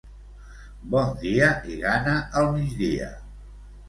Bon dia i gana al migdia.